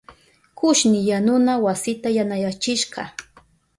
Kushni yanuna wasita yanayachishka.